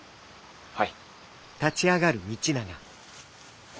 はい。